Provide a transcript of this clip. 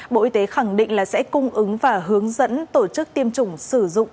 bộ y tế khẳng định là sẽ cung ứng và hướng dẫn tổ chức tiêm chủng sử dụng